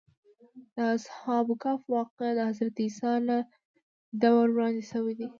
د اصحاب کهف واقعه د حضرت عیسی له دور وړاندې شوې ده.